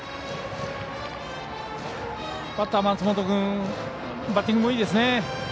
松本君バッティングもいいですね。